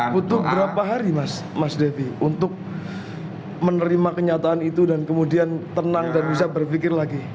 butuh berapa hari mas devi untuk menerima kenyataan itu dan kemudian tenang dan bisa berpikir lagi